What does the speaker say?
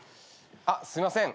あっすいません。